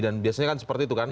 dan biasanya kan seperti itu kan